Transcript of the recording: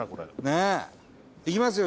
ねぇいきますよ